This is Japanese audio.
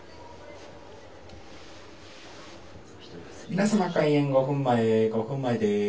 「皆様開演５分前５分前です」。